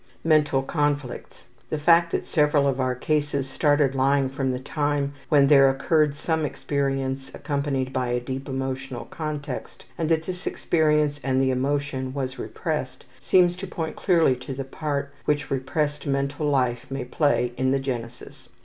Mental Conflicts. The fact that several of our cases started lying from the time when there occurred some experience accompanied by a deep emotional context, and that this experience and the emotion was repressed, seems to point clearly to the part which repressed mental life may play in the genesis.